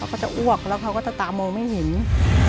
เราก็จะอ้วกแล้วเค้าก็ตะตามองไม่เห็นนะครับ